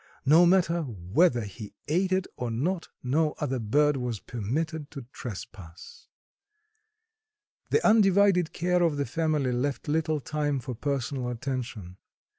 No matter whether he ate it or not, no other bird was permitted to trespass. The undivided care of the family left little time for personal attention.